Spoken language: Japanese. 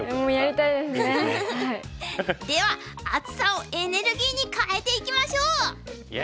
では暑さをエネルギーに換えていきましょう！